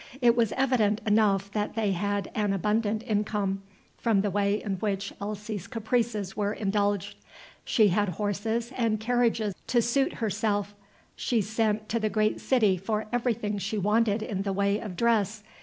It was evident enough that they had an abundant income, from the way in which Elsie's caprices were indulged. She had horses and carriages to suit herself; she sent to the great city for everything she wanted in the way of dress.